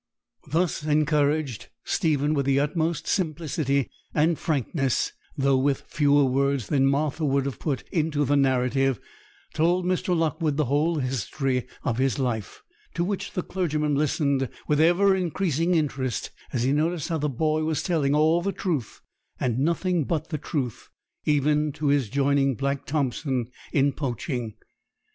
Thus encouraged, Stephen, with the utmost simplicity and frankness, though with fewer words than Martha would have put into the narrative, told Mr. Lockwood the whole history of his life; to which the clergyman listened with ever increasing interest, as he noticed how the boy was telling all the truth, and nothing but the truth, even to his joining Black Thompson in poaching.